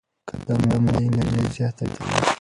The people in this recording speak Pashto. قدم وهل انرژي زیاتوي.